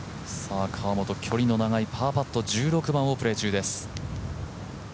河本、距離の長いパーパット、１６番をプレー中です。